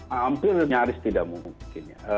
hampir nyaris tidak mungkin